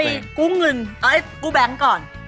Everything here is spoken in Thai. แล้วไปกู้เงินกู้แบงก์ก่อน